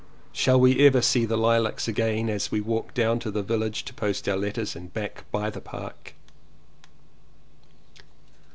Shall we ever see the lilacs again as we walk down to the village to post our letters, and back by the Park?"